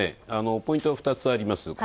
ポイントは２つあります。